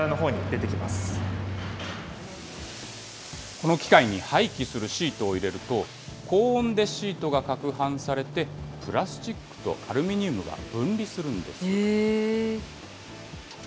この機械に廃棄するシートを入れると、高温でシートがかくはんされてプラスチックとアルミニウムが分離するんです。